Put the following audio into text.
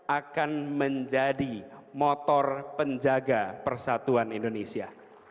akan menjadi motor penjaga persatuan indonesia